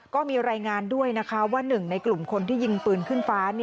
ก็มีรายงานด้วยนะคะว่าหนึ่งในกลุ่มคนที่ยิงปืนขึ้นฟ้า